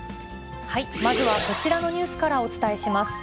まずはこちらのニュースからお伝えします。